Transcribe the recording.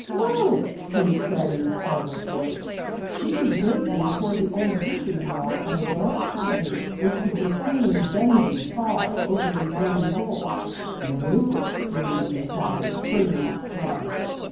"Lou!" Penny said in a startled voice. She was gazing toward the old wishing well at a dark figure which could be seen bending far over the yawning hole. "What is it?" Louise inquired, turning in surprise.